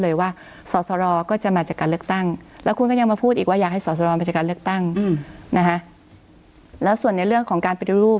อยากจะถามว่าถ้าสมมุติว่า